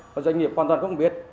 và doanh nghiệp hoàn toàn không biết